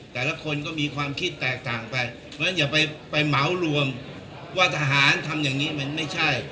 แต่ละคนก็มีความคิดแตกต่างไปเพราะฉะนั้นอย่าไปเหมารวมว่าทหารทำอย่างนี้มันไม่ใช่